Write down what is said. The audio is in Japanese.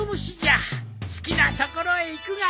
好きな所へ行くがよい。